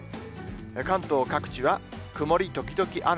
関東各地は曇り時々雨。